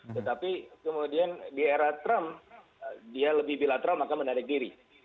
tetapi kemudian di era trump dia lebih bilateral maka menarik diri